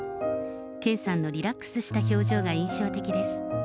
健さんのリラックスした表情が印象的です。